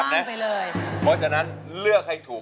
รองทัวร์ที่สุด